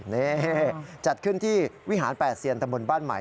นี่จัดขึ้นที่วิหาร๘เซียนตะบนบ้านใหม่